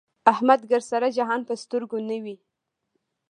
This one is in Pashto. احمد ګردسره جهان په سترګو نه وي.